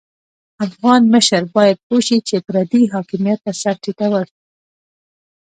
افغان مشر بايد پوه شي چې پردي حاکميت ته سر ټيټول.